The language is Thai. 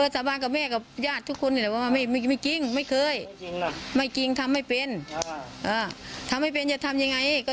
ถ้ากู้เงินก็จริงอยู่